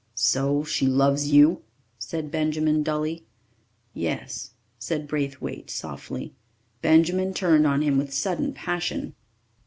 "So she loves you?" said Benjamin dully. "Yes," said Braithwaite softly. Benjamin turned on him with sudden passion.